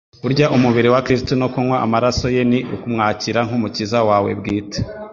Kurya umubiri wa Kristo no kunywa amaraso ye ni ukumwakira nk'Umukiza wawe bwite,